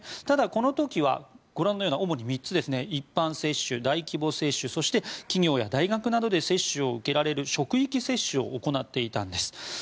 ただこの時はご覧のような主に３つですね、一般接種大規模接種そして企業や大学などで接種を受けられる職域接種を行っていたんです。